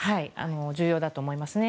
重要だと思いますね。